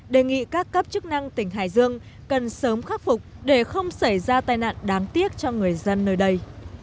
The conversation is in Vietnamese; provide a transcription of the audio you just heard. đề nghị các cấp chức năng tỉnh hải dương cần sớm khắc phục để không xảy ra tai nạn đáng tiếc cho người dân nơi đây